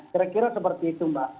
kira kira seperti itu mbak